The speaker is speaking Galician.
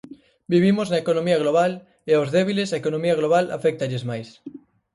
Vivimos na economía global e aos débiles a economía global aféctalles máis.